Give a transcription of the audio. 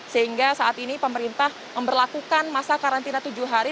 sehingga saat ini pemerintah memperlakukan masa karantina tujuh hari